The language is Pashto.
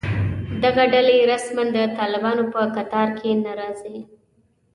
دغه ډلې رسماً د طالبانو په کتار کې نه راځي